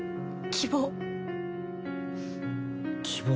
希望。